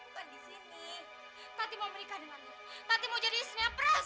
tadi mau menikah dengan dia